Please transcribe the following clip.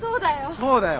そうだよ。